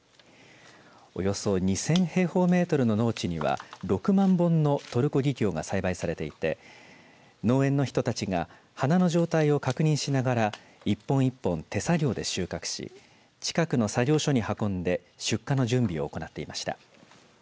およそ２０００平方メートルの農地には６万本のトルコギキョウが栽培されていて農園の人たちが花の状態を確認しながら一本一本手作業で収穫し近くの作業所に運んで出荷の準備を行っていました。